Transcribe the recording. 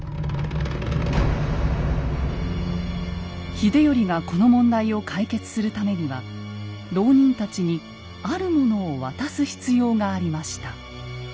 秀頼がこの問題を解決するためには牢人たちにあるものを渡す必要がありました。